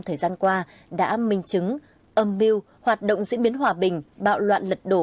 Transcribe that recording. thời gian qua đã minh chứng âm mưu hoạt động diễn biến hòa bình bạo loạn lật đổ